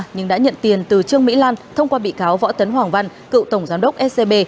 nhưng đã nhận tiền từ trương mỹ lan thông qua bị cáo võ tấn hoàng văn cựu tổng giám đốc scb